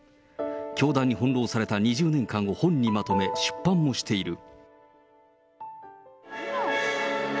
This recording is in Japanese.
教団に翻弄された２０年間を本にまとめ、出版もしている。